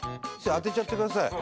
当てちゃってください